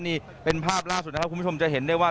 นี่เป็นภาพล่าสุดนะครับคุณผู้ชมจะเห็นได้ว่า